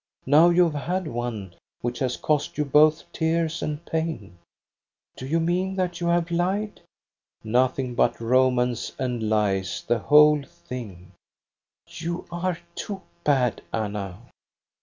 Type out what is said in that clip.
Now you have had one which has cost you both tears and pain." "Do you mean that you have lied? " "Nothing but romance and lies, the whole thing I *' "You are too bad, Anna."